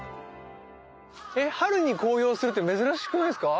春に紅葉するって珍しくないですか？